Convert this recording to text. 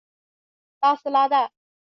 拉斯拉代。